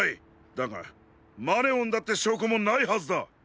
だがマネオンだってしょうこもないはずだ！